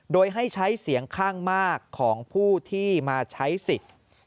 โดยให้ใช้เสียงข้างมากของผู้ที่มาใช้สิทธิ์